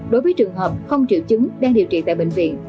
đối với trường hợp không triệu chứng đang điều trị tại bệnh viện